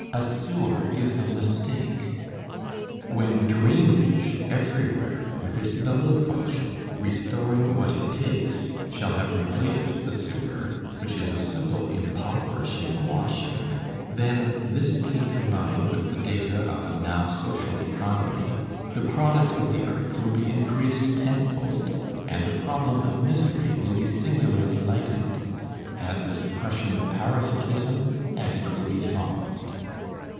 A sewer is a mistake. When drainage, everywhere, with its double function, restoring what it takes, shall have replaced the sewer, which is a simple impoverishing washing, then, this being combined with the data of a now social economy, the product of the earth will be increased tenfold, and the problem of misery will be singularly lightened. Add the suppression of parasitism, and it will be solved.